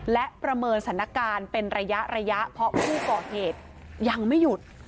และประเมินสถานการณ์เป็นระยะระยะเพราะผู้ก่อเหตุยังไม่หยุด